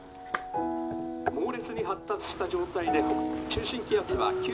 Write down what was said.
「猛烈に発達した状態で中心気圧は」。